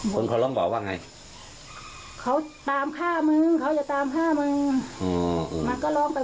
คนเขาร้องบอกว่าอย่างไร